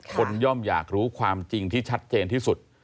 ย่อมอยากรู้ความจริงที่ชัดเจนที่สุด